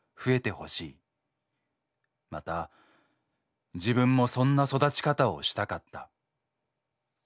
また自分もそんな育ち方をしたかった。